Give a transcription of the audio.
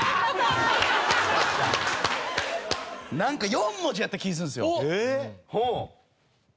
なんか４文字やった気ぃするんですよ。